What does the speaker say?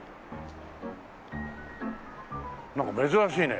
なんか珍しいね。